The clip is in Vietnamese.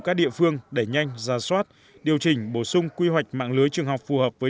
các địa phương đẩy nhanh ra soát điều chỉnh bổ sung quy hoạch mạng lưới trường học phù hợp với